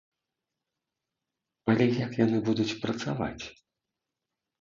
Але як яны будуць працаваць?